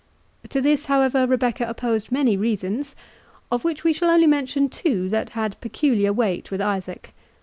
To this, however, Rebecca opposed many reasons, of which we shall only mention two that had peculiar weight with Isaac.